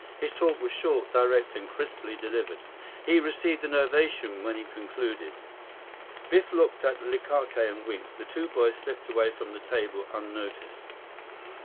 His talk was short, direct, and crisply delivered. He received an ovation when he concluded. Biff looked at Likake and winked. The two boys slipped away from the table unnoticed.